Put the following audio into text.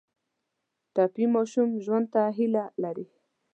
ټپي ماشوم ژوند ته هیله لري.